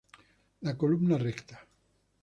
La columna recta.